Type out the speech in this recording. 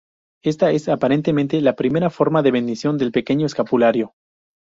Esta es, aparentemente, la primera forma de bendición del pequeño escapulario.